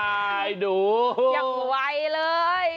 อ่าไอ้หนูอยากไวเลย